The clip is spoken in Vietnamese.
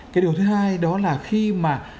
cái điều thứ hai đó là khi mà